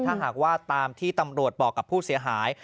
ถ้าหากว่าตามที่ตำรวจบอกกับผู้เสียหาย